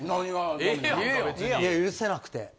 いや許せなくて。